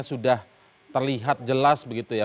sudah terlihat jelas begitu ya